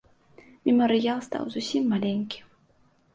Мемарыял стаў зусім маленькі.